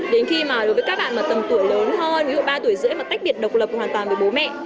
đến khi mà đối với các bạn mà tầm tuổi lớn ho ví dụ ba tuổi dễ mà tách biệt độc lập hoàn toàn với bố mẹ